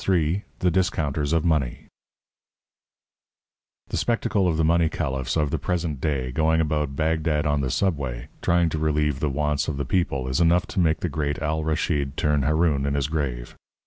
III THE DISCOUNTERS OF MONEY The spectacle of the money caliphs of the present day going about Bagdad on the Subway trying to relieve the wants of the people is enough to make the great Al Raschid turn Haroun in his grave.